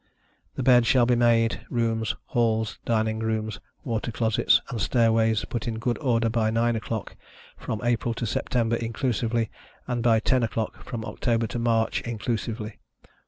The beds shall be made, rooms, halls, dining rooms, water closets and stair ways put in good order by 9 oâ€™clock, from April to September inclusively, and by 10 oâ€™clock from October to March inclusively.